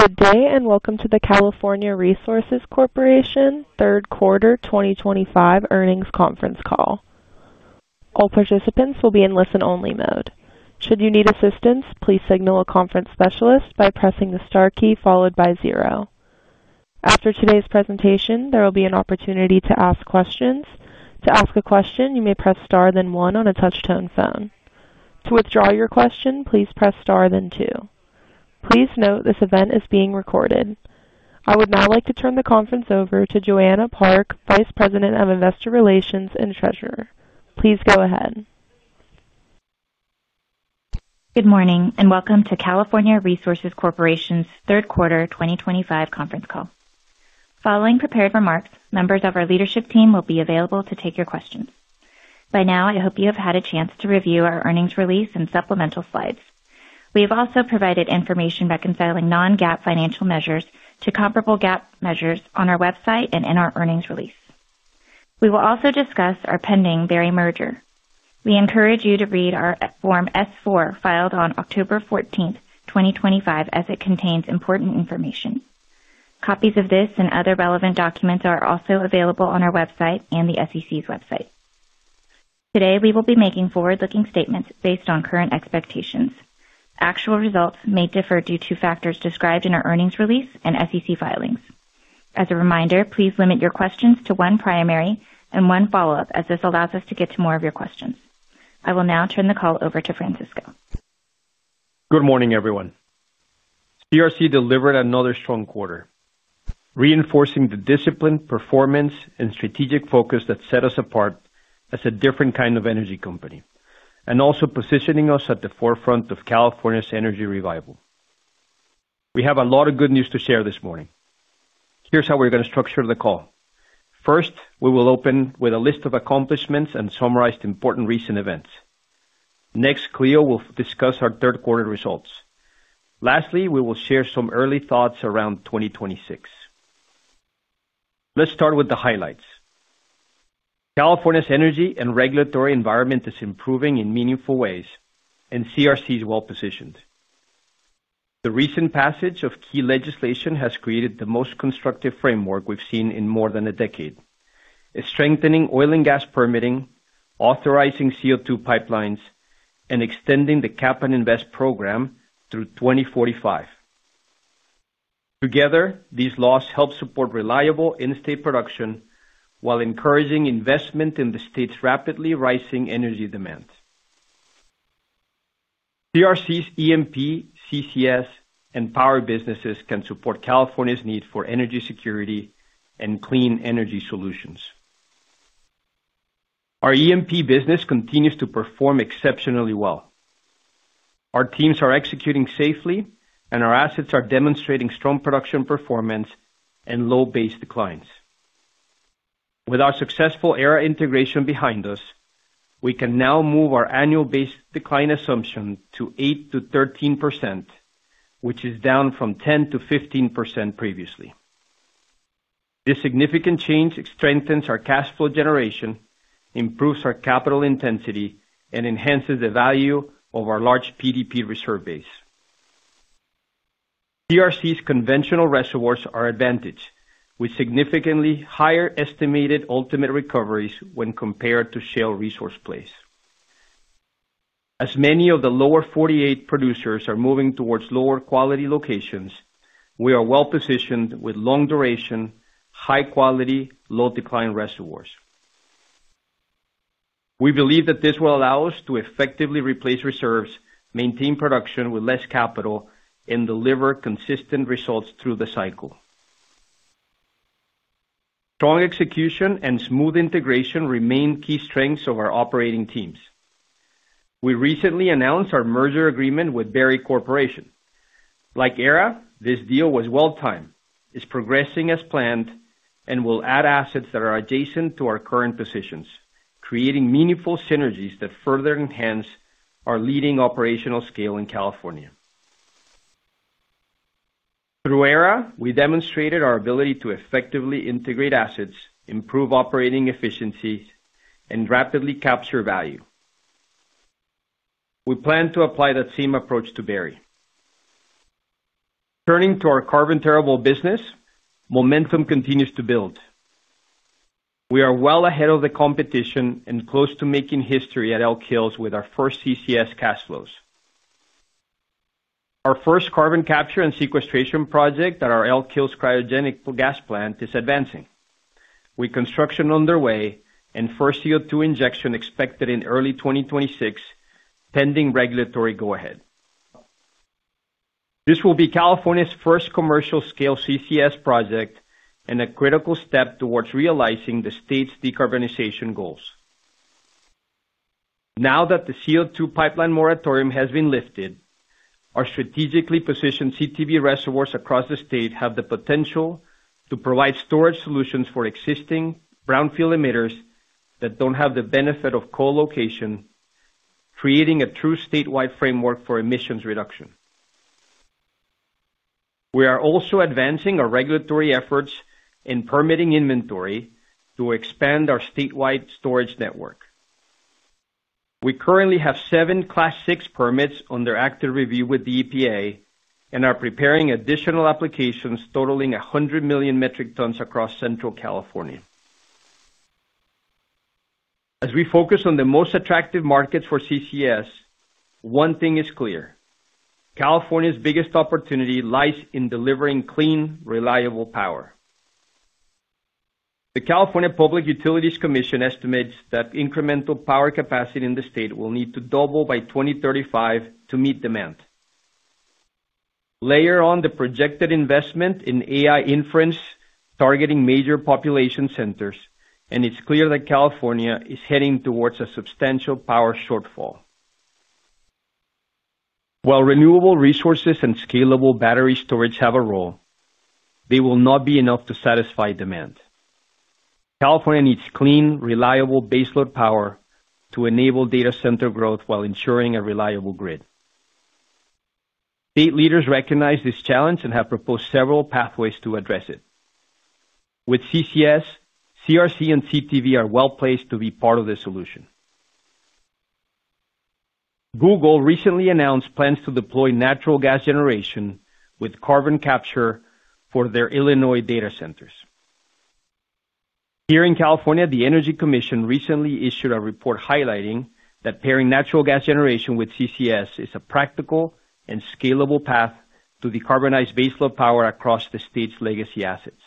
Good day and welcome to the California Resources Corporation third quarter 2025 earnings conference call. All participants will be in listen only mode. Should you need assistance, please signal a conference specialist by pressing the * key followed by 0. After today's presentation, there will be an opportunity to ask questions. To ask a question, you may press * then 1 on a touch tone phone. To withdraw your question, please press * then 2. Please note this event is being recorded. I would now like to turn the conference over to Joanna Park, Vice President of Investor Relations and Treasurer. Please go ahead. Good morning and welcome to California Resources Corporation's third quarter 2025 conference call. Following prepared remarks, members of our leadership team will be available to take your questions. By now, I hope you have had a chance to review our earnings release and supplemental slides. We have also provided information reconciling non-GAAP financial measures to comparable GAAP measures. On our website and in our earnings release, we will also discuss our pending Berry merger. We encourage you to read our Form S-4 filed on October 14, 2025 as it contains important information. Copies of this and other relevant documents are also available on our website and the SEC's website. Today we will be making forward-looking statements based on current expectations. Actual results may differ due to factors described in our earnings release and SEC filings. As a reminder, please limit your questions to one primary and one follow-up as this allows us to get to more of your questions. I will now turn the call over to Francisco. Good morning everyone. CRC delivered another strong quarter, reinforcing the discipline, performance, and strategic focus that set us apart as a different kind of energy company and also positioning us at the forefront of California's energy revival. We have a lot of good news to share this morning. Here's how we're going to structure the call. First, we will open with a list of accomplishments and summarize important recent events. Next, Clio will discuss our third quarter results. Lastly, we will share some early thoughts around 2026. Let's start with the highlights. California's energy and regulatory environment is improving in meaningful ways and CRC is well positioned. The recent passage of key legislation has created the most constructive framework we've seen in more than a decade, strengthening oil and gas permitting, authorizing CO2 pipelines, and extending the Cap and Invest program through 2045. Together, these laws help support reliable in state production while encouraging investment in the state's rapidly rising energy demand. CRC's E&P, CCS and power businesses can support California's need for energy security and clean energy solutions. Our E&P business continues to perform exceptionally well. Our teams are executing safely and our assets are demonstrating strong production performance and low base declines. With our successful Aera integration behind us, we can now move our annual base decline assumption to 8%-13%, which is down from 10%-15% previously. This significant change strengthens our cash flow generation, improves our capital intensity and enhances the value of our large PDP reserve base. CRC's conventional reservoirs are advantaged with significantly higher estimated ultimate recoveries when compared to shale resource plays. As many of the lower 48 producers are moving towards lower quality locations, we are well positioned with long duration, high quality, low decline reservoirs. We believe that this will allow us to effectively replace reserves, maintain production with less capital and deliver consistent results through the cycle. Strong execution and smooth integration remain key strengths of our operating teams. We recently announced our merger agreement with Berry Corporation. Like Aera, this deal was well timed, is progressing as planned and will add assets that are adjacent to our current positions, creating meaningful synergies that further enhance our leading operational scale in California. Through Aera, we demonstrated our ability to effectively integrate assets, improve operating efficiency and rapidly capture value. We plan to apply that same approach to Berry. Turning to our carbon capture and storage business, momentum continues to build. We are well ahead of the competition and close to making history at Elk Hills with our first CCS cash flows. Our first carbon capture and sequestration project at our Elk Hills cryogenic gas plant is advancing with construction underway and first CO2 injection expected in early 2026, pending regulatory go ahead. This will be California's first commercial scale CCS project and a critical step towards realizing the state's decarbonization goals now that the CO2 pipeline moratorium has been lifted. Our strategically positioned CTV reservoirs across the state have the potential to provide storage solutions for existing brownfield emitters that do not have the benefit of colocation, creating a true statewide framework for emissions reduction. We are also advancing our regulatory efforts in permitting inventory to expand our statewide storage network. We currently have seven Class VI permits under active review with the EPA and are preparing additional applications totaling 100 million metric tons across Central California. As we focus on the most attractive markets for CCS, one thing is clear. California's biggest opportunity lies in delivering clean, reliable power. The California Public Utilities Commission estimates that incremental power capacity in the state will need to double by 2035 to meet demand layered on the projected investment in AI inference targeting major population centers, and it is clear that California is heading towards a substantial power shortfall. While renewable resources and scalable battery storage have a role, they will not be enough to satisfy demand. California needs clean, reliable baseload power to enable data center growth while ensuring a reliable grid. State leaders recognize this challenge and have proposed several pathways to address it with CCS. CRC and CTV are well placed to be part of the solution. Google recently announced plans to deploy natural gas generation with carbon capture for their Illinois data centers. Here in California, the Energy Commission recently issued a report highlighting that pairing natural gas generation with CCS is a practical and scalable path to decarbonize baseload power across the state's legacy assets.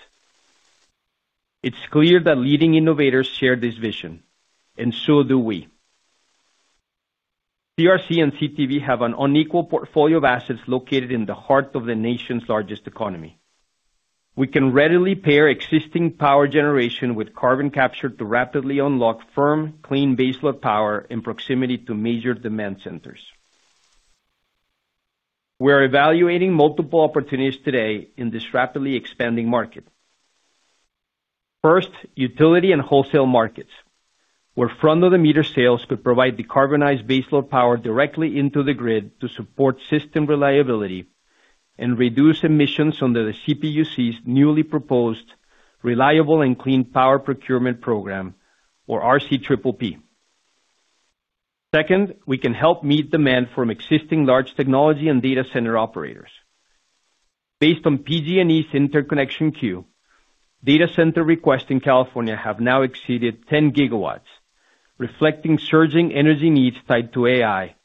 It is clear that leading innovators share this vision, and so do we. CRC and CTV have an unequaled portfolio of assets located in the heart of the nation's largest economy. We can readily pair existing power generation with carbon capture to rapidly unlock firm clean baseload power in proximity to major demand centers. We are evaluating multiple opportunities today in this rapidly expanding market. First, utility and wholesale markets where front of the meter sales could provide decarbonized baseload power directly into the grid to support system reliability and reduce emissions under the CPUC's newly proposed Reliable and Clean Power Procurement Program, or RCPP. Second, we can help meet demand from existing large technology and data center operators. Based on PG&E's interconnection queue, data center requests in California have now exceeded 10 gigawatts, reflecting surging energy needs tied to AI,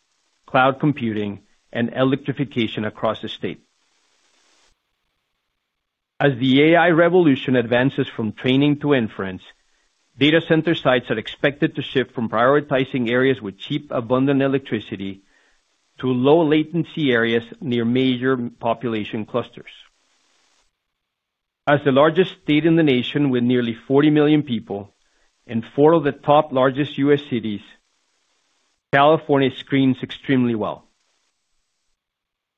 cloud computing and electrification across the state. As the AI revolution advances from training to inference, data center sites are expected to shift from prioritizing areas with cheap, abundant electricity to low latency areas near major population clusters. As the largest state in the U.S. with nearly 40 million people and four of the top largest U.S. cities, California screens extremely well.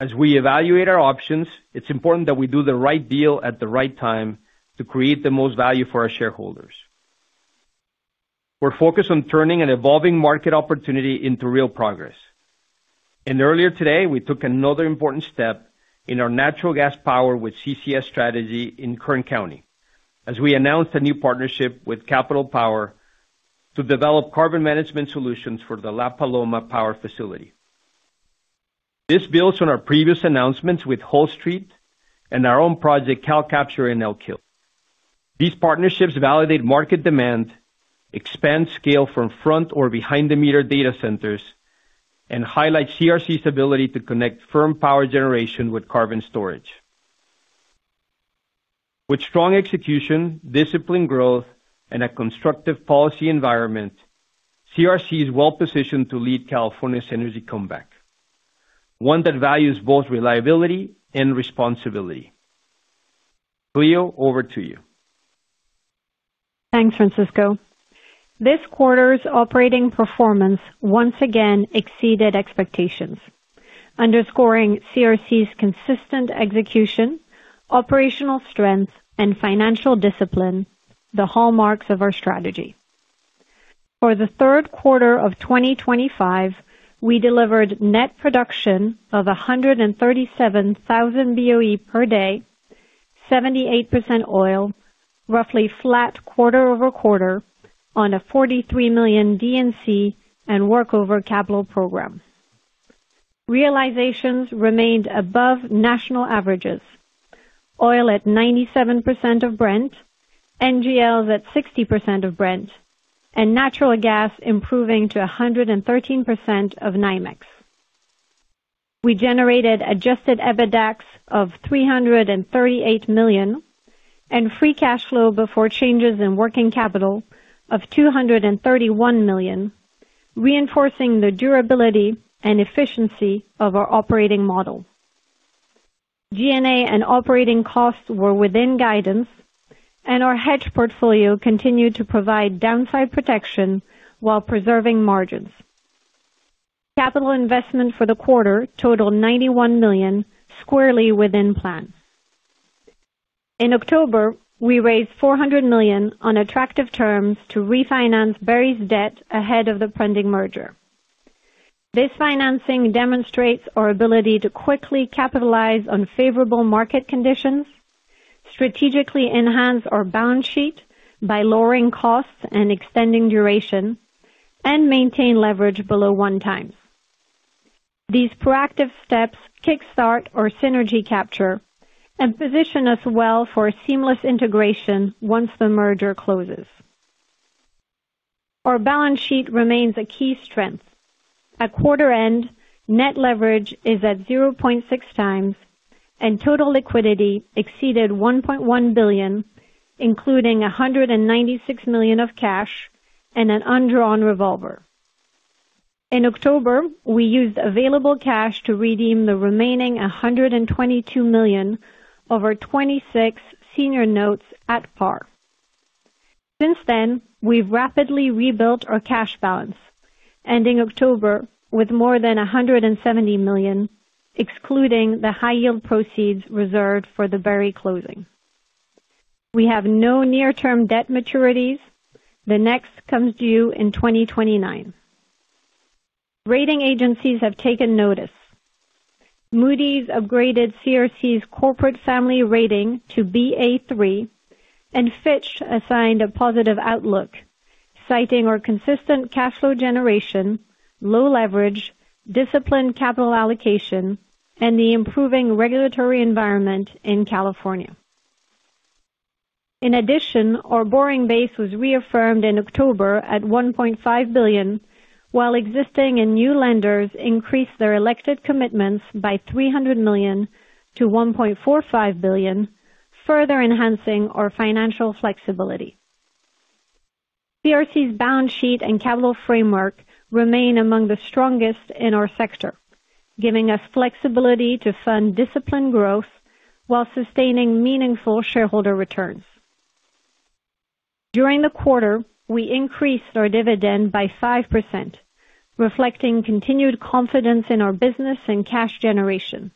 As we evaluate our options, it's important that we do the right deal at the right time to create the most value for our shareholders. We're focused on turning an evolving market opportunity into real progress. Earlier today we took another important step in our natural gas power with CCS strategy in Kern County as we announced a new partnership with Capital Power to develop carbon management solutions for the La Paloma Power facility. This builds on our previous announcements with Hull Street and our own project CalCapture in Elk Hills. These partnerships validate market demand, expand scale from front or behind the meter data centers, and highlight CRC's ability to connect firm power generation with carbon storage. With strong execution, disciplined growth and a constructive policy environment, CRC is well positioned to lead California's energy comeback, one that values both reliability and responsibility. Clio, over to you. Thanks, Francisco. This quarter's operating performance once again exceeded expectations, underscoring CRC's consistent execution, operational strength, and financial discipline, the hallmarks of our strategy. For the third quarter of 2025, we delivered net production of 137,000 boe per day, 78% oil, roughly flat quarter over quarter on a $43 million D&C and workover capital program. Realizations remained above national averages, oil at 97% of Brent, NGLs at 60% of Brent, and natural gas improving to 113% of NYMEX. We generated adjusted EBITDAX of $338 million and free cash flow before changes in working capital of $231 million, reinforcing the durability and efficiency of our operating model. G&A and operating costs were within guidance, and our hedge portfolio continued to provide downside protection while preserving margins. Capital investment for the quarter totaled $91 million, squarely within plan. In October, we raised $400 million on attractive terms to refinance Berry's debt ahead of the pending merger. This financing demonstrates our ability to quickly capitalize on favorable market conditions, strategically enhance our balance sheet by lowering costs and extending duration, and maintain leverage below one times. These proactive steps kickstart our synergy capture and position us well for seamless integration once the merger closes. Our balance sheet remains a key strength. At quarter end, net leverage is at 0.6 times and total liquidity exceeded $1.1 billion, including $196 million of cash and an undrawn revolver. In October, we used available cash to redeem the remaining $122 million of 2026 senior notes at par. Since then, we've rapidly rebuilt our cash balance, ending October with more than $170 million excluding the high yield proceeds reserved for the Berry closing. We have no near term debt maturities. The next comes due in 2029. Rating agencies have taken notice. Moody's upgraded CRC's corporate family rating to Ba3 and Fitch assigned a positive outlook, citing our consistent cash flow generation, low leverage, disciplined capital allocation, and the improving regulatory environment in California. In addition, our borrowing base was reaffirmed in October at $1.5 billion, while existing and new lenders increased their elected commitments by $300 million to $1.45 billion, further enhancing our financial flexibility. CRC's balance sheet and capital framework remain among the strongest in our sector, giving us flexibility to fund disciplined growth while sustaining meaningful shareholder returns. During the quarter, we increased our dividend by 5%, reflecting continued confidence in our business and cash generation.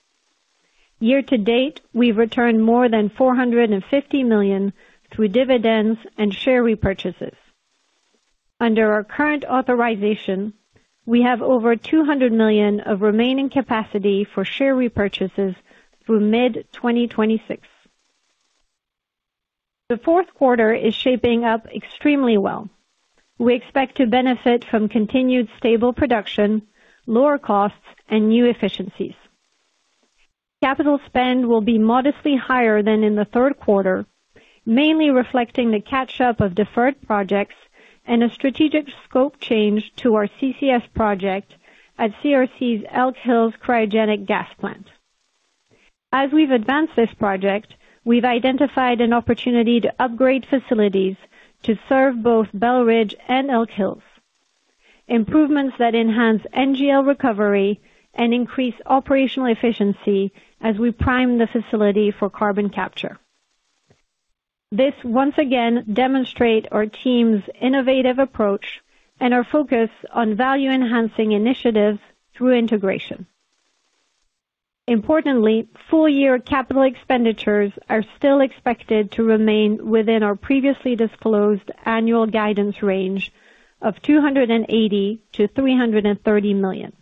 Year to date, we've returned more than $450 million through dividends and share repurchases. Under our current authorization, we have over $200 million of remaining capacity for share repurchases through mid-2026. The fourth quarter is shaping up extremely well. We expect to benefit from continued stable production, lower costs and new efficiencies. Capital spend will be modestly higher than in the third quarter, mainly reflecting the catch up of deferred projects and a strategic scope change to our CCS project at CRC's Elk Hills cryogenic gas plant. As we've advanced this project, we've identified an opportunity to upgrade facilities to serve both Bell Ridge and Elk Hills. Improvements that enhance NGL recovery and increase operational efficiency as we prime the facility for carbon capture. This once again demonstrates our team's innovative approach and our focus on value enhancing initiatives through integration. Importantly, full year capital expenditures are still expected to remain within our previously disclosed annual guidance range of $280-$330 million.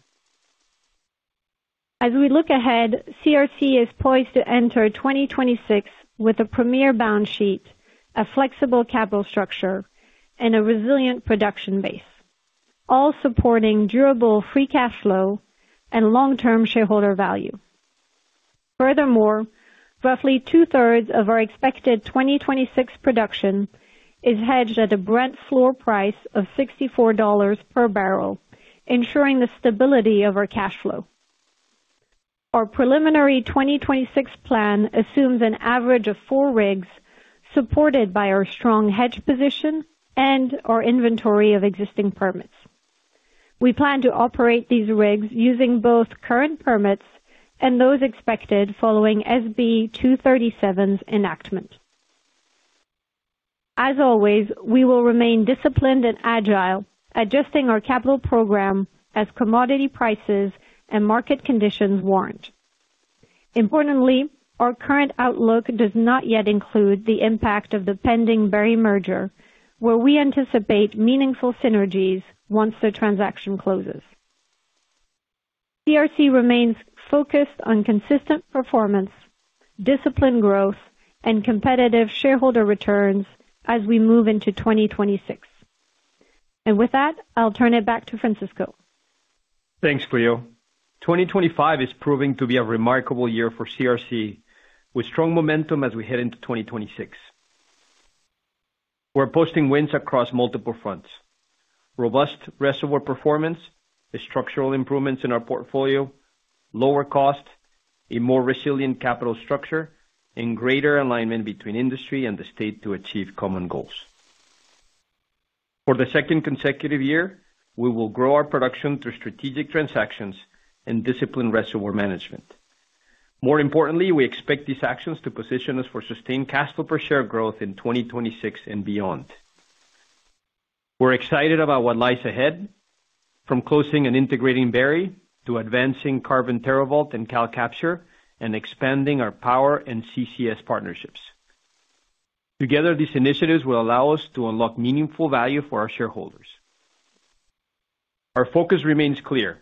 As we look ahead, CRC is poised to enter 2026 with a premier balance sheet, a flexible capital structure and a resilient production base, all supporting durable free cash flow and long term shareholder value. Furthermore, roughly two-thirds of our expected 2026 production is hedged at a Brent floor price of $64 per barrel, ensuring the stability of our cash flow. Our preliminary 2026 plan assumes an average of four rigs supported by our strong hedge position and our inventory of existing permits. We plan to operate these rigs using both current permits and those expected following SB 237's enactment. As always, we will remain disciplined and agile, adjusting our capital program as commodity prices and market conditions warrant. Importantly, our current outlook does not yet include the impact of the pending Berry merger, where we anticipate meaningful synergies once the transaction closes. CRC remains focused on consistent performance, disciplined growth and competitive shareholder returns as we move into 2026. With that, I'll turn it back to Francisco. Thanks, Cleo. 2025 is proving to be a remarkable year for CRC with strong momentum. As we head into 2026, we're posting wins across multiple fronts. Robust reservoir performance, structural improvements in our portfolio, lower cost, a more resilient capital structure, and greater alignment between industry and the state to achieve common goals. For the second consecutive year, we will grow our production through strategic transactions and disciplined reservoir management. More importantly, we expect these actions to position us for sustained cash flow per share growth in 2026 and beyond. We're excited about what lies ahead from closing and integrating Berry to advancing carbon TerraVault and CalCapture and expanding our power and CCS partnerships. Together, these initiatives will allow us to unlock meaningful value for our shareholders. Our focus remains clear,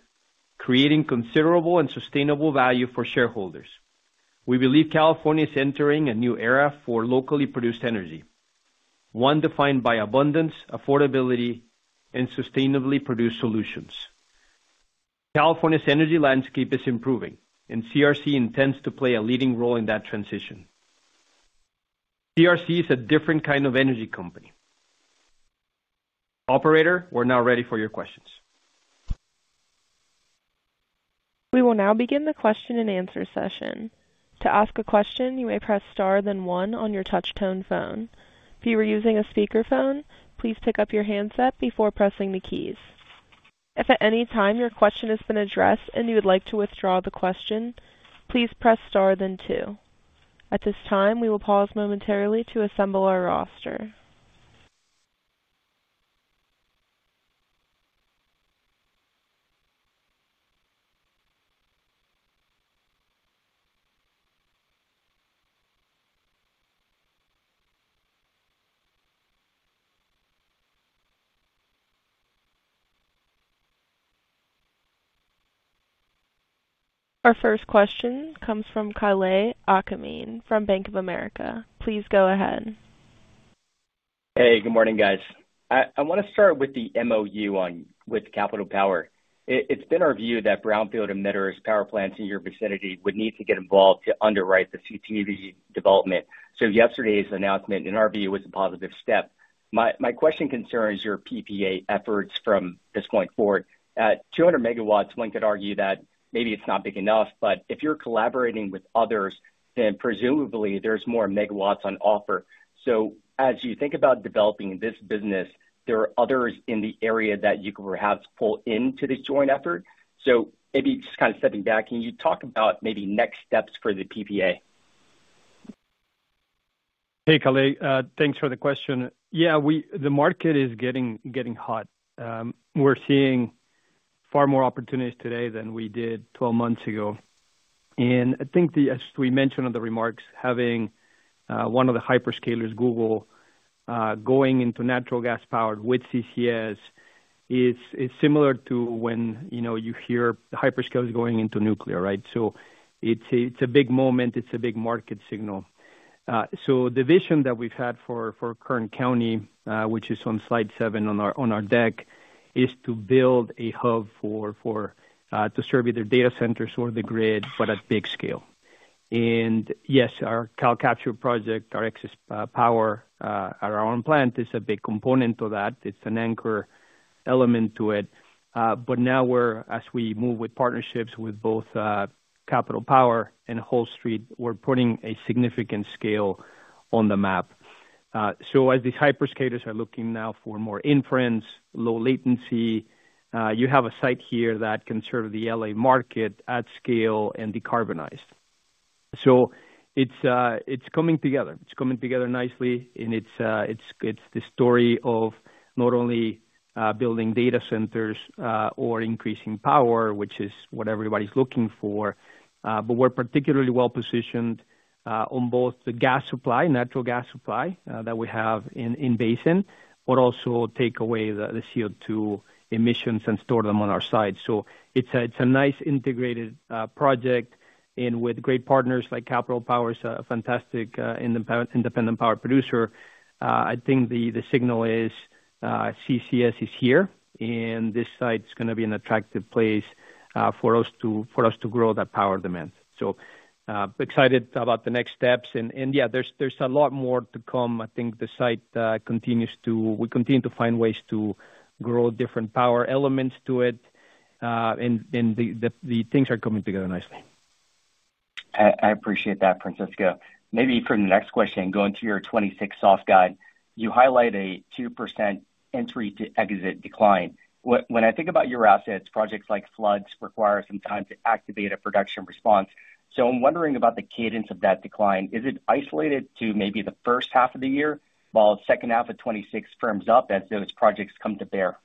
creating considerable and sustainable value for shareholders. We believe California is entering a new era for locally produced energy, one defined by abundance, affordability, and sustainably produced solutions. California's energy landscape is improving, and CRC intends to play a leading role in that transition. CRC is a different kind of energy company. Operator, we're now ready for your questions. We will now begin the question and answer session. To ask a question, you may press * then 1 on your touchtone phone. If you are using a speakerphone, please pick up your handset before pressing the keys. If at any time your question has been addressed and you would like to withdraw the question, please press * then 2. At this time, we will pause momentarily to assemble our roster. Our first question comes from Kalei Akamine from Bank of America. Please go ahead. Hey, good morning guys. I want to start with the MOU with Capital Power. It's been our view that brownfield emitters, power plants in your vicinity, would need to get involved to underwrite the CTV development. Yesterday's announcement, in our view, was a positive step. My question concerns your PPA efforts from this point forward. At 200 megawatts, one could argue that maybe it's not big enough. If you're collaborating with others, then presumably there's more megawatts on offer. As you think about developing this business, there are others in the area that you could perhaps pull into this joint effort. Maybe just kind of stepping back, can you talk about maybe next steps for the PPA? Hey Kalei, thanks for the question. Yeah, the market is getting hot. We're seeing far more opportunities today than we did 12 months ago. I think as we mentioned on the remarks, having one of the hyperscalers, Google, going into natural gas powered with CCS is similar to when you hear hyperscalers going into nuclear, right? It is a big moment, it is a big market signal. The vision that we have had for Kern County, which is on slide seven on our deck, is to build a hub to serve either data centers or the grid, but at big scale. Yes, our CalCapture project, our excess power at our own plant, is a big component of that. It is an anchor element to it. Now, as we move with partnerships with both Capital Power and Hull Street, we are putting a significant scale on the map. As these hyperscalers are looking now for more inference, looking low latency. You have a site here that can serve the LA market at scale and decarbonized. It is coming together, it is coming together nicely. It is the story of not only building data centers or increasing power, which is what everybody is looking for, but we are particularly well positioned on both the gas supply, natural gas supply that we have in basin, but also take away the CO2 emissions and store them on our side. It is a nice integrated project and with great partners like Capital Power, which is a fantastic independent power producer. I think the signal is CCS is here and this site is going to be an attractive place for us to grow that power demand. Excited about the next steps and yeah, there is a lot more to come. I think the site continues to. We continue to find ways to grow different power elements to it and the things are coming together nicely. I appreciate that. Francisco. Maybe from the next question going to your 2026 soft guide, you highlight a 2% entry to exit decline. When I think about your assets, projects like floods require some time to activate a production response. I am wondering about the cadence of that decline. Is it isolated to maybe the first half of the year while second half of 2026 firms up as those projects come to bear?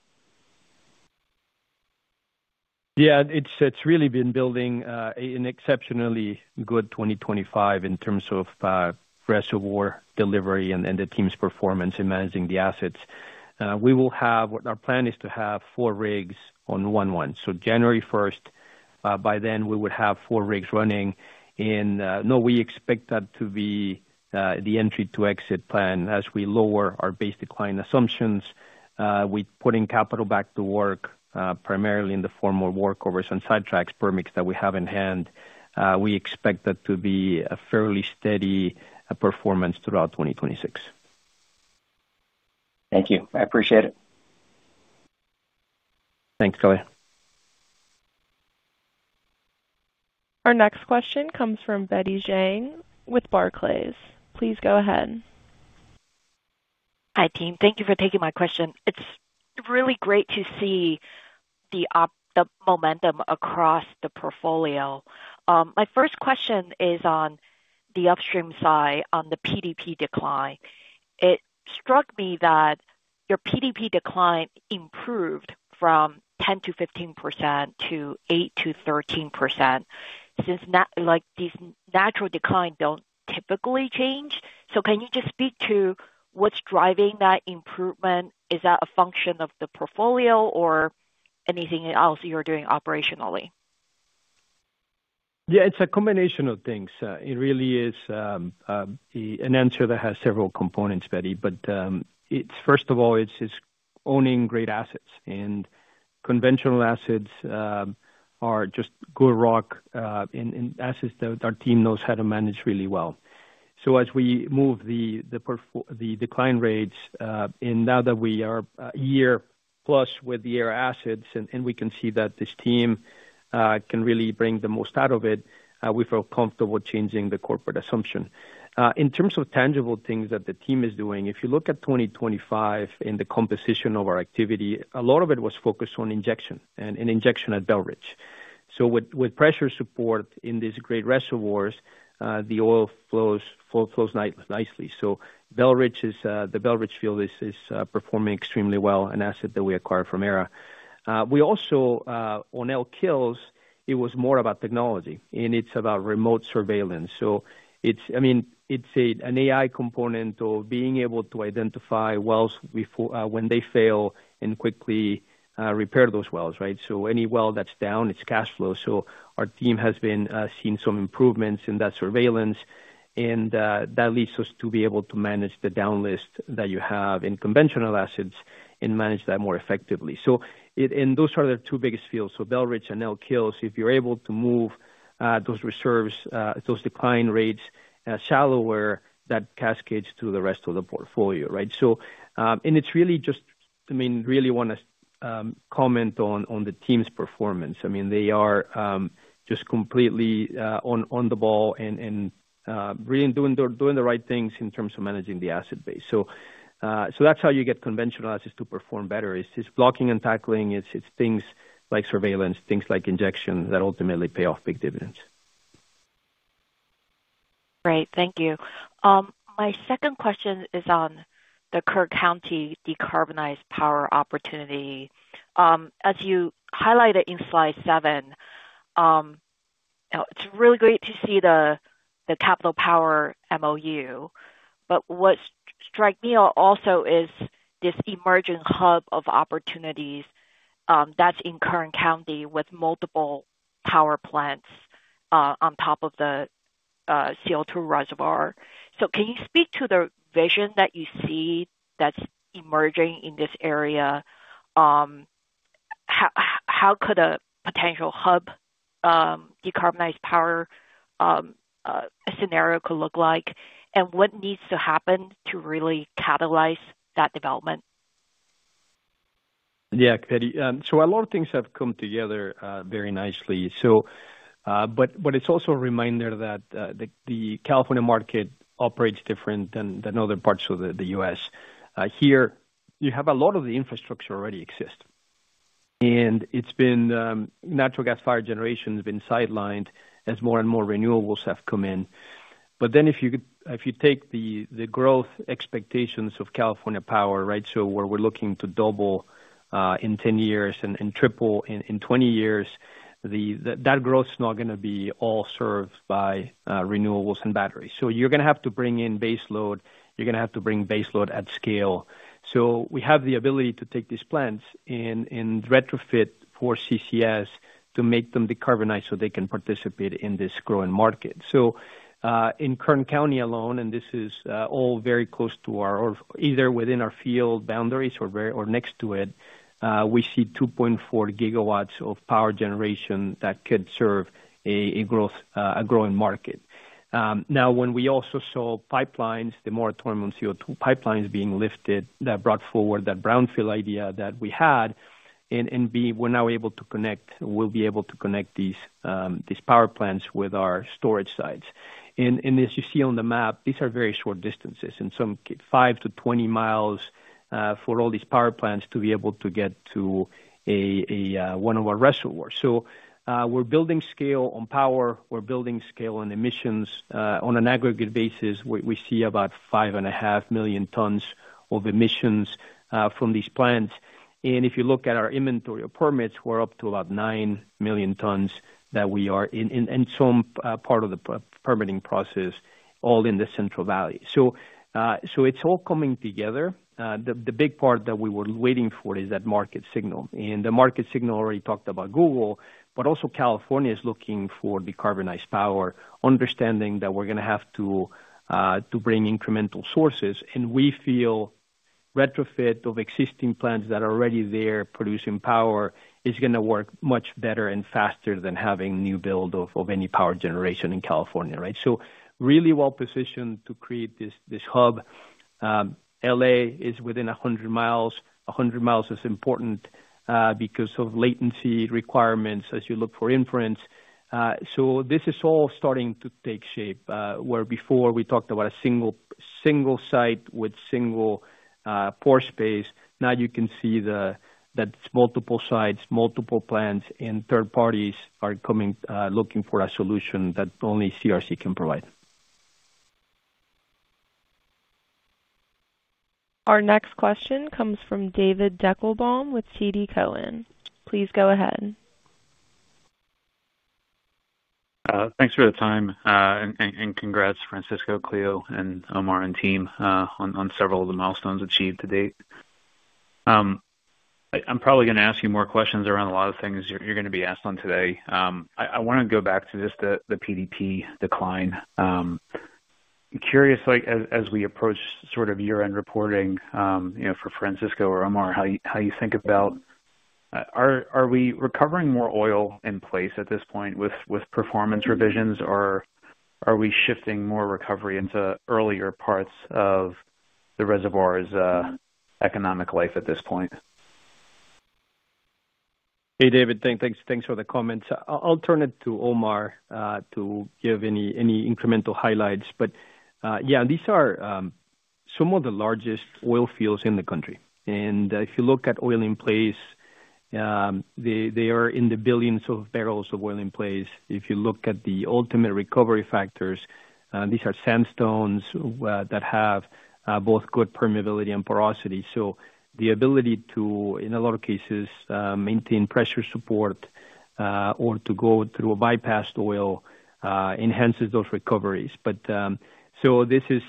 Yeah, it is. It is really been building an exceptionally good 2025 in terms of reservoir delivery and the team's performance in managing the assets we will have. Our plan is to have four rigs on one-to-one. January 1 by then we would have four rigs running and no, we expect that to be the entry to exit plan. As we lower our base decline assumptions, we are putting capital back to work primarily in the formal workovers and sidetracks permits that we have in hand. We expect that to be a fairly steady performance throughout 2026. Thank you, I appreciate it. Thanks, Kalei. Our next question comes from Betty Zhang with Barclays. Please go ahead. Hi team. Thank you for taking my question. It's really great to see the momentum across the portfolio. My first question is on the upstream side on the PDP decline. It struck me that your PDP decline improved from 10-15% to 8-13% since these natural decline do not typically change. Can you just speak to what's driving that improvement? Is that a function of the portfolio or anything else you're doing operationally? Yeah, it's a combination of things. It really is an answer that has several components, Betty, but it's. First of all, it's owning great assets and conventional assets are just good rock assets that our team knows how to manage really well. As we move the decline rates and now that we are year plus with the Aera assets and we can see that this team can really bring the most out of it, we feel comfortable changing the corporate assumption. In terms of tangible things that the team is doing, if you look at 2025 and the composition of activity, a lot of it was focused on injection and injection at Bell Ridge. With pressure support in these great reservoirs, the oil flows nicely. The Bell Ridge field is performing extremely well, an asset that we acquired from Aera. We also on Elk Hills, it was more about technology and it's about remote surveillance. I mean, it's an AI component of being able to identify wells when they fail and quickly repair those wells. Right. Any well that's down, it's cash flow. Our team has been seeing some improvements in that surveillance and that leads us to be able to manage the down list that you have in conventional assets and manage that more effectively. Those are the two biggest fields, so Bell Ridge and Elk Hills. If you're able to move those reserves, those decline rates shallower, that cascades to the rest of the portfolio. I just really want to comment on the team's performance. I mean, they are just completely on the ball and really doing the right things in terms of managing the asset base. That's how you get conventional assets to perform better. It's blocking and tackling. It's things like surveillance, things like injection that ultimately pay off big dividends. Great, thank you. My second question is on the Kern County decarbonized power opportunity, as you highlighted in slide 7. It's really great to see the Capital Power MOU, but what strikes me also is this emerging hub of opportunities that's in Kern County with multiple power plants on top of the CO2 reservoir. Can you speak to the vision that you see that's emerging in this area? How could a potential hub decarbonized power scenario look like and what needs to happen to really catalyze that development? Yeah, so a lot of things have come together very nicely. It is also a reminder that the California market operates different than other parts of the U.S. Here you have a lot of the infrastructure already exist and it has been natural gas-fired generation has been sidelined as more and more renewables have come in. If you take the growth expectations of California power, where we are looking to double in 10 years and triple in 20 years, that growth is not going to be all served by renewables and batteries. You are going to have to bring in baseload. You are going to have to bring baseload at scale. We have the ability to take these plants and retrofit for CCS to make them decarbonized so they can participate in this growing market. In Kern County alone, and this is all very close to our or either within our field boundaries or next to it, we see 2.4 gigawatts of power generation that could serve a growing market. Now when we also saw pipelines, the moratorium and CO2 pipelines being lifted, that brought forward that brownfield idea that we had. We are now able to connect, will be able to connect these power plants with our storage sites. As you see on the map, these are very short distances, in some cases 5-20 mi for all these power plants to be able to get to one of our reservoirs. We are building scale on power, we are building scale on emissions. On an aggregate basis, we see about 5.5 million tons of emissions from these plants. If you look at our inventory of permits, we're up to about 9 million tons that we are in some part of the permitting process all in the Central Valley. It is all coming together. The big part that we were waiting for is that market signal, and the market signal already talked about Google, but also California is looking for decarbonized power. Understanding that we're going to have to bring incremental sources, and we feel retrofit of existing plants that are already there producing power is going to work much better and faster than having new build of any power generation in California. We are really well positioned to create this hub. Louisiana is within 100 mi. 100 mi is important because of latency requirements as you look for inference. This is all starting to take shape. Where before we talked about a single site with single pore space, now you can see that multiple sites, multiple plans and third parties are coming looking for a solution that only CRC can provide. Our next question comes from David Deckelbaum with TD Cowen. Please go ahead. Thanks for the time and congrats Francisco, Cleo and Omar and team on several of the milestones achieved to date. I'm probably going to ask you more questions around a lot of things you're going to be asked on today. I want to go back to just the PDP decline. Curious. As we approach sort of year end reporting for Francisco or Omar, how you think about are we recovering more oil in place at this point with performance revisions or are we shifting more recovery into earlier parts of the reservoir's economic life at this point? Hey David, thanks for the comments. I'll turn it to Omar to give any incremental highlights, but yeah, these are some of the largest oil fields in the country and if you look at oil in place, they are in the billions of barrels of oil in place. If you look at the ultimate recovery factors, these are sandstones that have both good permeability and porosity. The ability to in a lot of cases maintain pressure support or to go through a bypassed oil enhances those recoveries. This is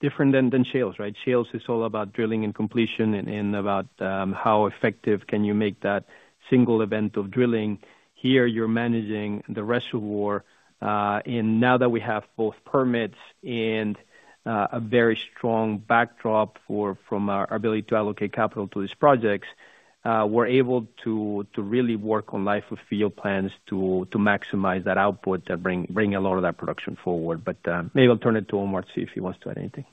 different than shales, right? Shales is all about drilling and completion and about how effective can you make that single event of drilling. Here you're managing the reservoir. Now that we have both permits and a very strong backdrop from our ability to allocate capital to these projects, we're able to really work on life of field plans to maximize that output that bring a lot of that production forward. Maybe I'll turn it to Omar to see if he wants to add anything.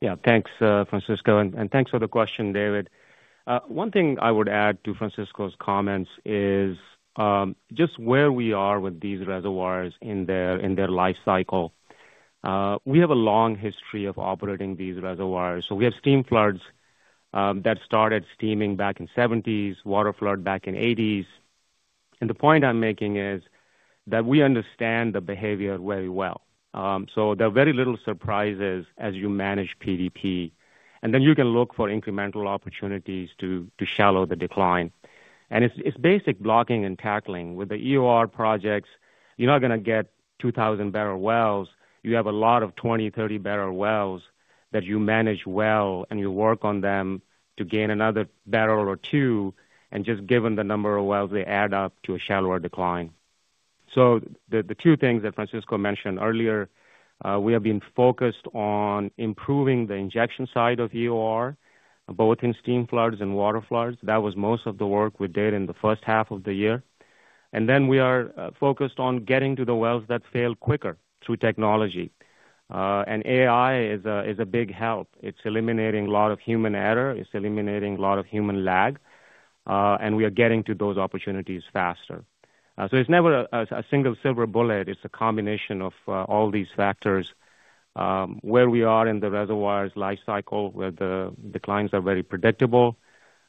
Yeah, thanks Francisco, and thanks for the question, David. One thing I would add to Francisco's comments is just where we are with these reservoirs in their life cycle. We have a long history of operating these reservoirs. We have steam floods that started steaming back in the 1970s, water flood back in the 1980s. The point I am making is that we understand the behavior very well. There are very little surprises as you manage PDP and then you can look for incremental opportunities to shallow the decline. It is basic blocking and tackling. With the EOR projects you are not going to get 2,000 barrel wells. You have a lot of 20, 30 barrel wells that you manage well and you work on them to gain another barrel or two. Just given the number of wells, they add up to a shallower decline. The two things that Francisco mentioned earlier, we have been focused on improving the injection side of EOR both in steam floods and water floods. That was most of the work we did in the first half of the year. We are focused on getting to the wells that fail quicker through technology. AI is a big help. It is eliminating a lot of human error, it is eliminating a lot of human lag, and we are getting to those opportunities faster. It is never a single silver bullet. It is a combination of all these factors, where we are in the reservoir's life cycle, where the declines are very predictable.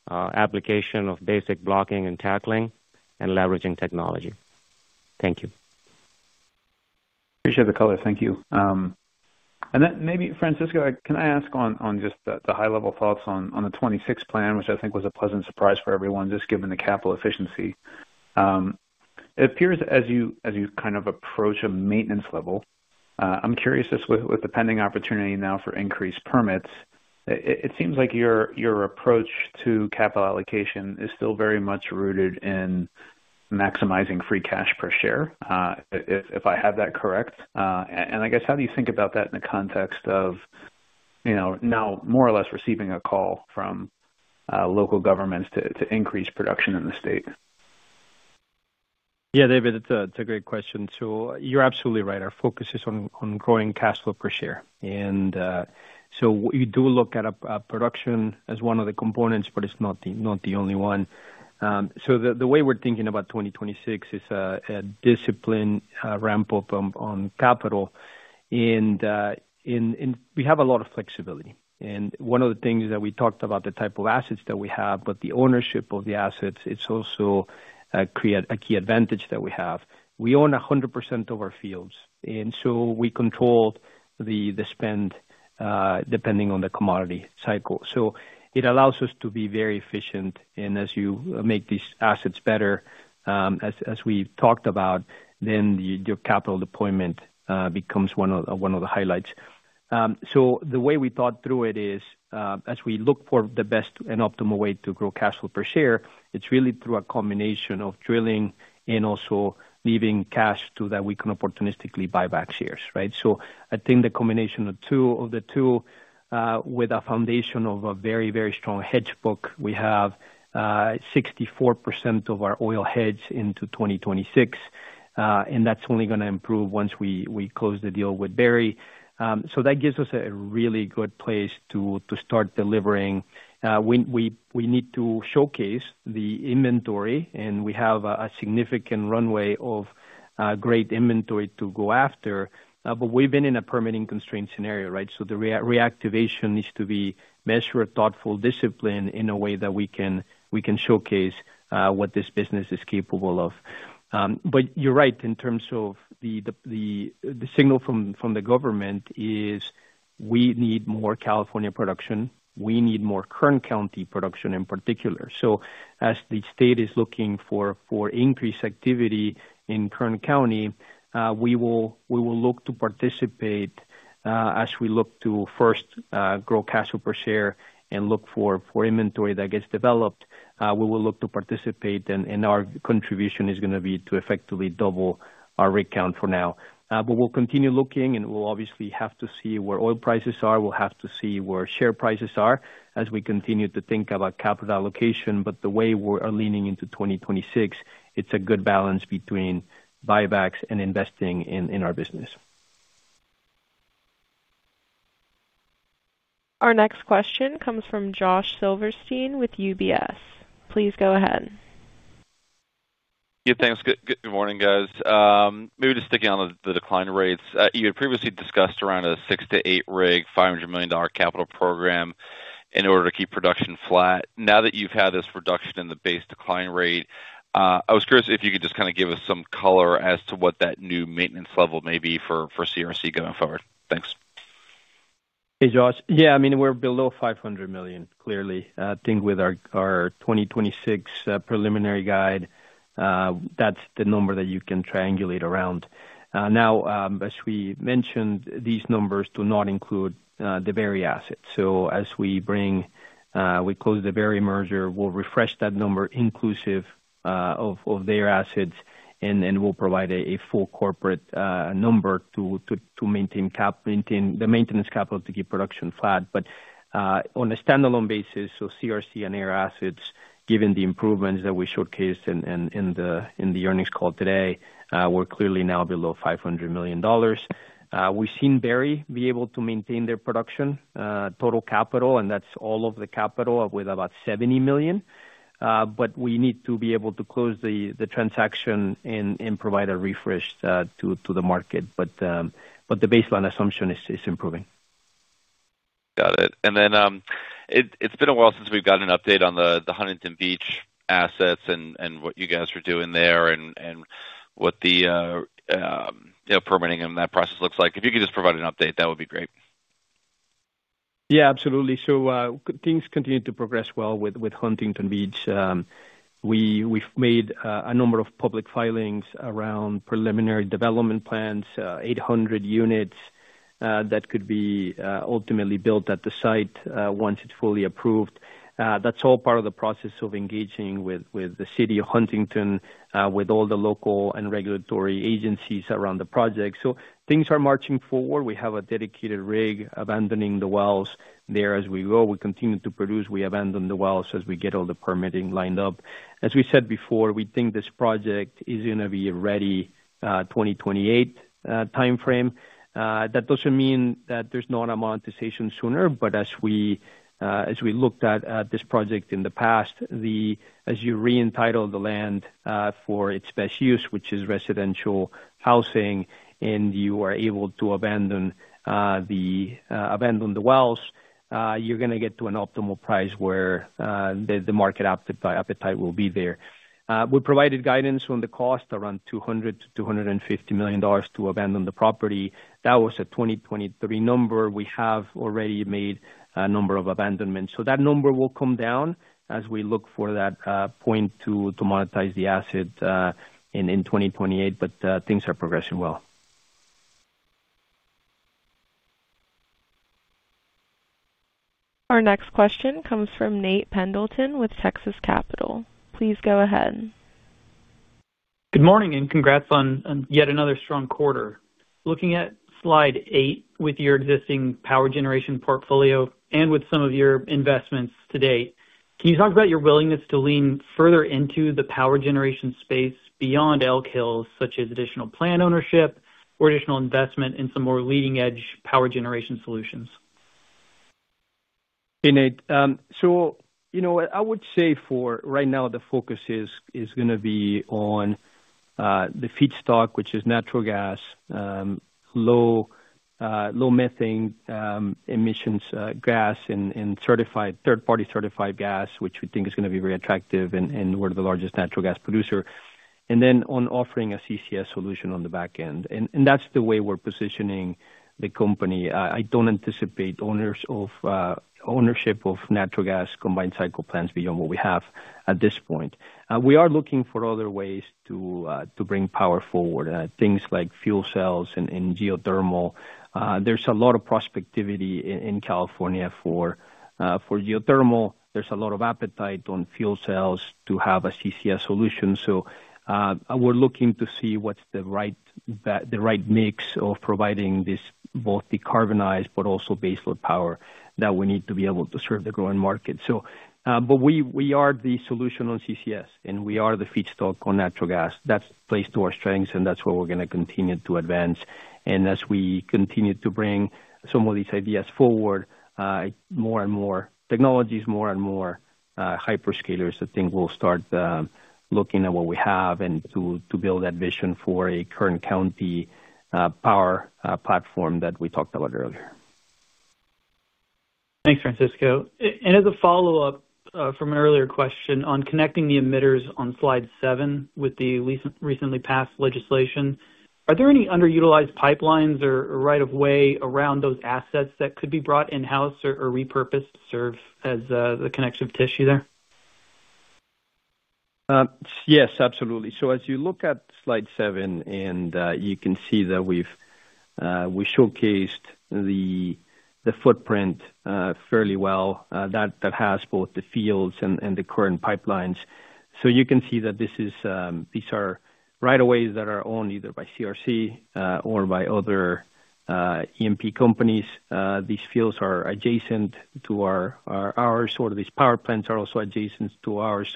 Application of basic blocking and tackling and leveraging technology. Thank you. Appreciate the color. Thank you. Maybe Francisco, can I ask on just the high level thoughts on the 2026 plan, which I think was a pleasant surprise for everyone, just given the capital efficiency, it appears as you kind of approach a maintenance level. I'm curious as with the pending opportunity now for increased permits, it seems like your approach to capital allocation is still very much rooted in maximizing free cash per share, if I have that correct. I guess how do you think about that in the context of now more or less receiving a call from local governments to increase production in the state? Yeah, David, it's a great question. You're absolutely right. Our focus is on growing cash flow per share. You do look at production as one of the components, but it's not the only one. The way we're thinking about 2026 is a disciplined ramp up on capital. We have a lot of flexibility. One of the things that we talked about, the type of assets that we have, but the ownership of the assets, it also creates a key advantage that we have. We own 100% of our fields and so we control the spend depending on the commodity cycle. It allows us to be very efficient. As you make these assets better, as we talked about, then your capital deployment becomes one of the highlights. The way we thought through it is as we look for the best and optimal way to grow cash flow per share, it's really through a combination of drilling and also leaving cash so that we can opportunistically buy back shares. I think the combination of the two, with a foundation of a very, very strong hedge book, we have 64% of our oil hedged into 2026. That is only going to improve once we close the deal with Berry. That gives us a really good place to start delivering. We need to showcase the inventory, and we have a significant runway of great inventory to go after. We have been in a permitting constraint scenario, right? The reactivation needs to be measured, thoughtful, disciplined in a way that we can showcase what this business is capable of. You are right in terms of the signal from the government: we need more California production. We need more Kern County production in particular. As the state is looking for increased activity in Kern County, we will look to participate as we look to first grow cash flow per share and look for inventory that gets developed. We will look to participate in. Our contribution is going to be to effectively double our rig count for now. We will continue looking and we will obviously have to see where oil prices are. We will have to see where share prices are as we continue to think about capital allocation. The way we are leaning into 2026, it is a good balance between buybacks and investing in our business. Our next question comes from Josh Silverstein with UBS. Please go ahead. Thanks. Good morning, guys. Maybe just sticking on the decline rates, you had previously discussed around a 6-8 rig, $500 million capital program in order to keep production flat. Now that you've had this reduction in the base decline rate, I was curious. If you could just kind of give us some color as to what that new maintenance level may be for CRC going forward. Thanks. Hey, Josh. Yeah, I mean, we're below $500 million, clearly. I think with our 2026 preliminary guide, that's the number that you can triangulate around. Now, as we mentioned, these numbers do not include the Berry assets. As we bring, we close the Berry merger, we'll refresh that number inclusive of their assets and will provide a full corporate number to maintenance capital to keep production flat, but on a standalone basis. CRC and Aera assets, given the improvements that we showcased in the earnings call today, we're clearly now below $500 million. We've seen Berry be able to maintain their production total capital, and that's all of the capital, with about $70 million. We need to be able to close the transaction and provide a refresh to the market. The baseline assumption is improving. Got it. It has been a while since we've gotten an update on the Huntington Beach assets and what you guys are. Doing there and what the permitting and that process looks like. If you could just provide an update, that would be great. Yeah, absolutely. Things continue to progress well with Huntington Beach. We've made a number of public filings around preliminary development plans. 800 units that could be ultimately built at the site once it's fully approved. That's all part of the process of engaging with the city of Huntington, with all the local and regulatory agencies around the project. Things are marching forward. We have a dedicated rig abandoning the wells there as we go. We continue to produce. We abandon the wells as we get all the permitting lined up. As we said before, we think this project is going to be a ready 2028 time frame. That doesn't mean that there's not a monetization sooner. As we looked at this project in the past, as you re-entitled the land for its best use, which is residential housing, and you are able to abandon the wells, you're going to get to an optimal price where the market appetite will be there. We provided guidance on the cost, around $200 million-$250 million to abandon the property. That was a 2023 number. We have already made a number of abandonments, so that number will come down as we look for that point to monetize the asset in 2028. Things are progressing well. Our next question comes from Nate Pendleton with Texas Capital. Please go ahead. Good morning and congrats on yet another strong quarter. Looking at slide 8 with your existing power generation portfolio and with some of your investments to date. Can you talk about your willingness to lean further into the power generation space beyond Elk Hills, such as additional plant ownership or additional investment in some more leading edge power generation solutions? Hey Nate, you know, I would say for right now the focus is going to be on the feedstock which is natural gas, low, low methane emissions gas and certified third party certified gas, which we think is going to be very attractive and we're the largest natural gas producer and then on offering a CCS solution on the back end and that's the way we're positioning the company. I don't anticipate ownership of natural gas combined cycle plants beyond what we have at this point. We are looking for other ways to bring power forward, things like fuel cells and geothermal. There is a lot of prospectivity in California for geothermal. There is a lot of appetite on fuel cells to have a CCS solution. We are looking to see what is the right mix of providing this both decarbonized but also baseload power that we need to be able to serve the growing market. We are the solution on CCS and we are the feedstock on natural gas. That plays to our strengths and that is what we are going to continue to advance. As we continue to bring some of these ideas forward, more and more technologies, more and more hyperscalers, I think will start looking at what we have and to build that vision for a Kern County power platform that we talked about earlier. Thanks Francisco. As a follow up from an earlier question on connecting the emitters on slide 7 with the recently passed legislation, are there any underutilized pipelines or right of way around those assets that could be brought in house or repurposed, serve as the connection tissue there. Yes, absolutely. You look at slide 7 and you can see that we showcased the footprint fairly well that has both the fields and the current pipelines. You can see that these are right of ways that are owned either by CRC or by other E&P companies. These fields are adjacent to ours or these power plants are also adjacent to ours.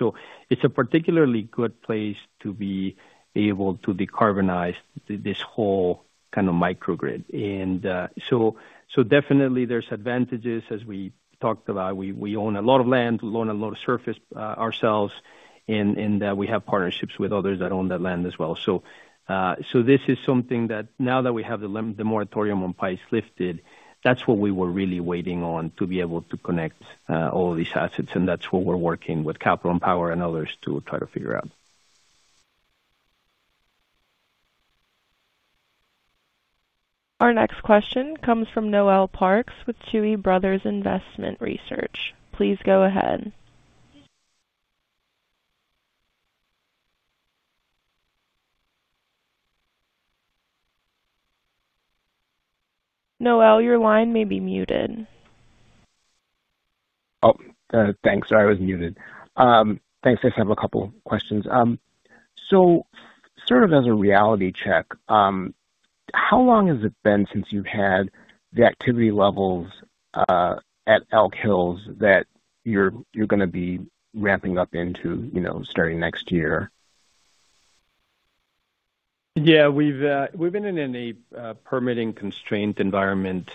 It is a particularly good place to be able to decarbonize this whole kind of micro grid. There are definitely advantages. As we talked about, we own a lot of land, own a lot of surface ourselves and we have partnerships with others that own that land as well. This is something that now that we have the moratorium on PIs lifted, that's what we were really waiting on to be able to connect all these assets. That's what we're working with Capital Power and others to try to figure out. Our next question comes from Noel Parks with Tuohy Brothers Investment Research. Please go ahead Noel. Your line may be muted. Oh thanks. Sorry, I was muted. Thanks. I just have a couple questions. So sort of as a reality check, how long has it been since you've had the activity levels at Elk Hills that you're going to be ramping up into? You know, starting next year? Yeah, we've been in a permitting constraint environment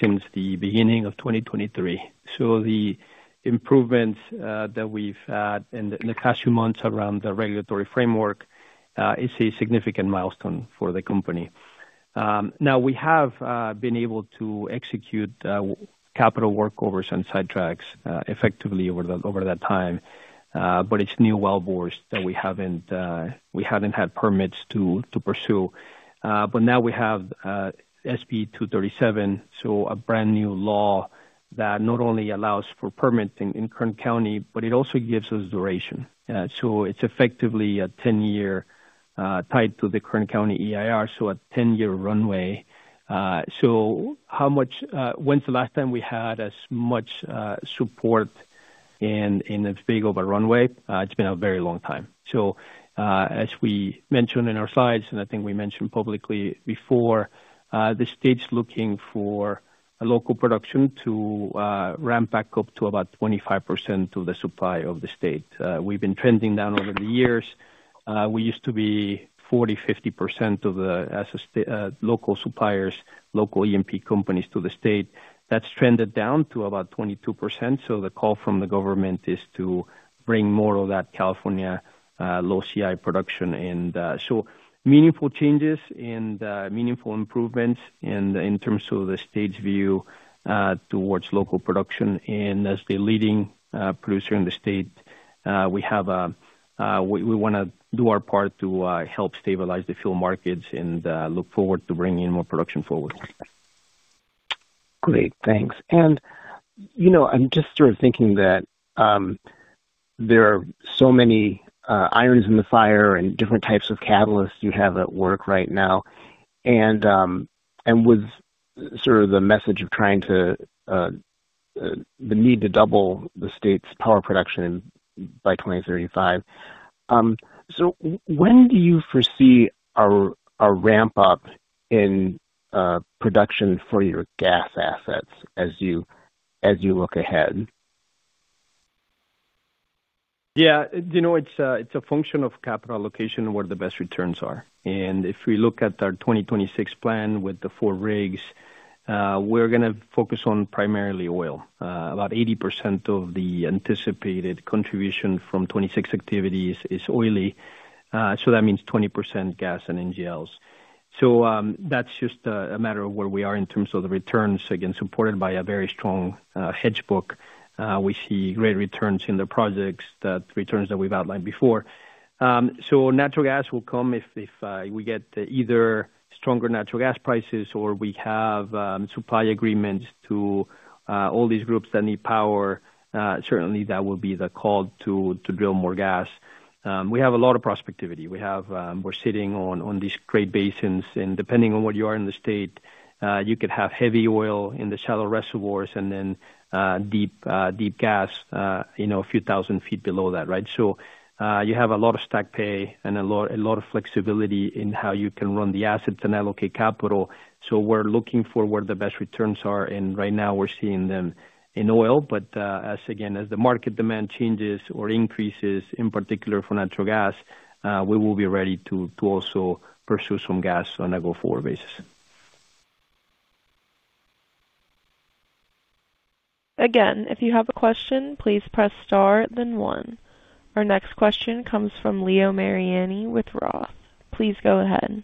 since the beginning of 2023. The improvements that we've had in the past few months around the regulatory framework is a significant milestone for the company. Now we have been able to execute capital workovers and side tracks effectively over that time. It's new wellbores that we haven't had permits to pursue. Now we have SB 237, a brand new law that not only allows for permit in Kern County but it also gives us duration. It's effectively a 10-year tied to the Kern County EIR. A 10 year runway. How much, when's the last time we had as much support in the big over runway? It's been a very long time. As we mentioned in our slides and I think we mentioned publicly before, the state's looking for local production to ramp back up to about 25% of the supply of the state. We've been trending down over the years. We used to be 40-50% of the local suppliers, local E&P companies to the state. That's trended down to about 22%. The call from the government is to bring more of that California low CI production. Meaningful changes and meaningful improvements in terms of the state's view towards local production. As the leading producer in the state, we want to do our part to help stabilize the fuel markets and look forward to bringing more production forward. Great, thanks. You know, I'm just sort of thinking that there are so many irons in the fire and different types of catalysts you have at work right now with sort of the message of trying to, the need to double the state's power production by 2035. When do you foresee a ramp up in production for your gas assets as you look ahead? Yeah, you know, it's a function of capital allocation where the best returns are. If we look at our 2026 plan with the four rigs, we're going to focus on primarily oil, about 80% of the anticipated contribution from 2026 activities is oily. That means 20% gas and NGLs. That's just a matter of where we are in terms of the returns, again supported by a very strong hedge book. We see great returns in the projects that we've outlined before. Natural gas will come. If we get either stronger natural gas prices or we have supply agreements to all these groups that need power, certainly that will be the call to drill more gas. We have a lot of prospectivity. We're sitting on these great basins and depending on where you are in the state, you could have heavy oil in the shallow reservoirs and then deep, deep gas a few thousand feet below that. Right. You have a lot of stack pay and a lot of flexibility in how you can run the assets and allocate capital. We're looking for where the best returns are and right now we're seeing them in oil. As the market demand changes or increases, in particular for natural gas, we will be ready to also versus some gas on a go forward basis. Again, if you have a question, please press * then 1. Our next question comes from Leo Mariani with ROTH. Please go ahead.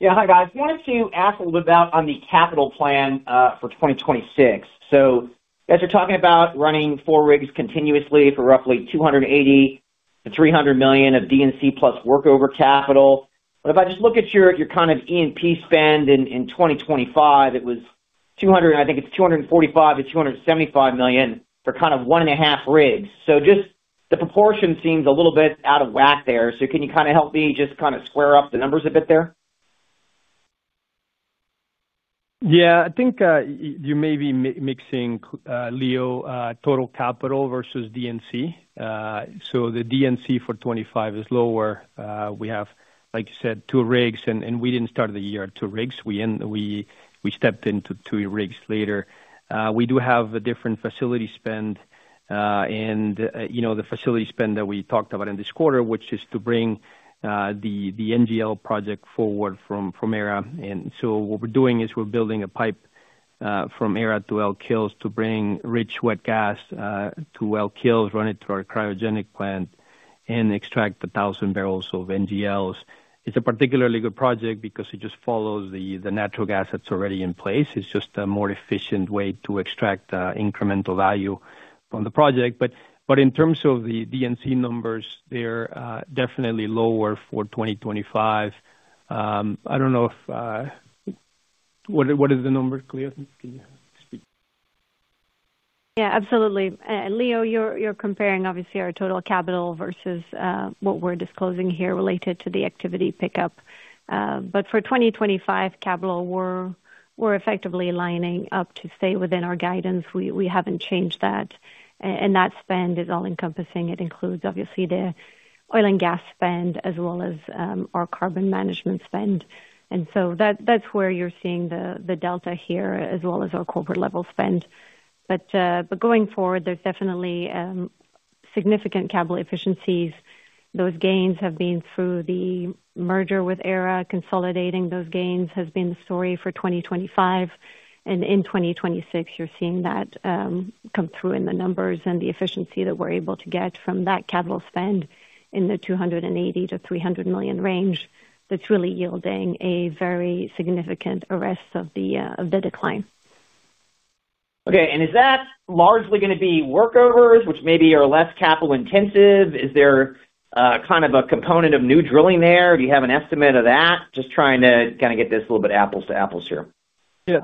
Yeah, hi guys, wanted to ask a little bit about on the capital plan for 2026. As you're talking about running four rigs continuously for roughly $280 million-$300 million of D&C plus workover capital. If I just look at your kind of E&P spend in 2025, it was $245 million-$275 million for kind of one and a half rigs. Just the proportion seems a little bit out of whack there. Can you kind of help me just kind of square up the numbers a bit there? Yeah. I think you may be mixing, Leo, total capital versus D&C. The D&C for 2025 is lower. We have, like you said, two rigs, and we did not start the year at two rigs. We stepped into two rigs later. We do have a different facility spend, and you know, the facility spend that we talked about in this quarter, which is to bring the NGL project forward from Aera. And so what we're doing is we're building a pipe from Aera to Elk Hills to bring rich wet gas to Elk Hills, run it through our cryogenic plant, and extract 1,000 barrels of NGLs. It's a particularly good project because it just follows the natural gas that's already in place. It's just a more efficient way to extract incremental value from the project. In terms of the D&C numbers, they're definitely lower for 2025. I don't know if. What is the number? Clio, can you speak? Yes, absolutely. Leo. You're comparing, obviously, our total capital versus what we're disclosing here related to the activity pickup. For 2025, capital, we're effectively lining up to stay within our guidance. We haven't changed that. That spend is all encompassing. It includes, obviously, the oil and gas spend as well as our carbon management spend. That is where you're seeing the delta here, as well as our corporate level spending. Going forward, there's definitely significant capital efficiencies. Those gains have been through the merger with Aera. Consolidating those gains has been the story for 2025, and in 2026, you're seeing that come through in the numbers and the efficiency that we're able to get from that capital spend in the $280-$300 million range, that's really yielding a very significant arrest of the decline. Okay, and is that largely going to be workovers which maybe are less capital intensive? Is there kind of a component of new drilling there? Do you have an estimate of that? Just trying to kind of get this a little bit apples to apples here. Yeah,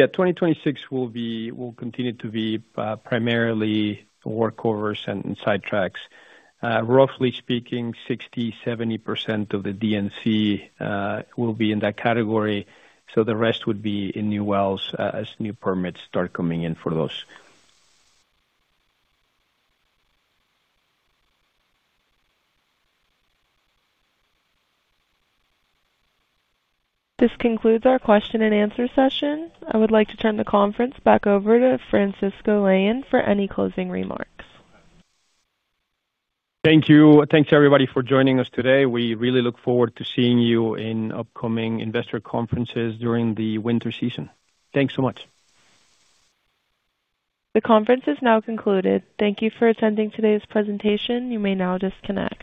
2026 will continue to be primarily workovers and sidetracks. Roughly speaking, 60-70% of the D&C will be in that category. So the rest would be in new wells as new permits start coming in for those. This concludes our question and answer session. I would like to turn the conference back over to Francisco Leon for any closing remarks. Thank you. Thanks everybody for joining us today. We really look forward to seeing you in upcoming investor conferences during the winter season. Thanks so much. The conference is now concluded. Thank you for attending today's presentation. You may now disconnect.